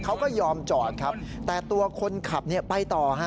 เขาก็ยอมจอดครับแต่ตัวคนขับไปต่อฮะ